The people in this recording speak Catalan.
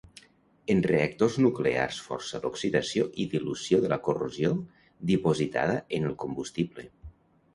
En reactors nuclears força l'oxidació i dilució de la corrosió dipositada en el combustible.